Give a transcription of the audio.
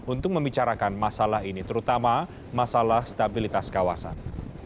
untuk membicarakan masalah ini terutama masalah stabilitas kawasan